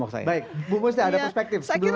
maksud saya baik bu musnya ada perspektif sebelum